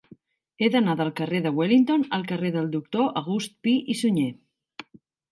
He d'anar del carrer de Wellington al carrer del Doctor August Pi i Sunyer.